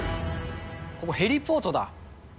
ここヘリポートだ。